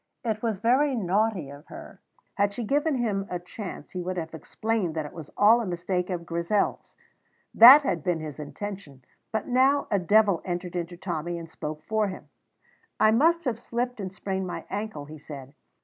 It was very naughty of her. Had she given him a chance he would have explained that it was all a mistake of Grizel's. That had been his intention; but now a devil entered into Tommy and spoke for him. "I must have slipped and sprained my ankle," he said.